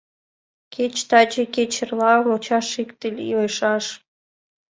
Кеч таче, кеч эрла — мучаш икте лийшаш.